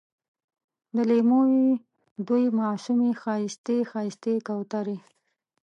د لېمو یې دوې معصومې ښایستې، ښایستې کوترې